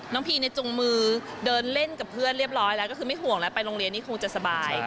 พีเนี่ยจุงมือเดินเล่นกับเพื่อนเรียบร้อยแล้วก็คือไม่ห่วงแล้วไปโรงเรียนนี่คงจะสบาย